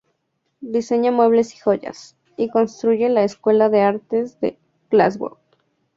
Diseña muebles y joyas, y construye la Escuela de arte de Glasgow.